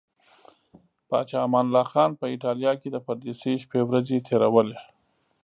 پاچا امان الله خان په ایټالیا کې د پردیسۍ شپې ورځې تیرولې.